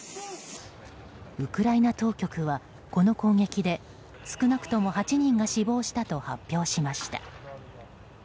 ウクライナ当局はこの攻撃で少なくとも８人が死亡したと発表しました。